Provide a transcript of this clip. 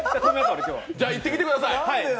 じゃあ、行ってきてください！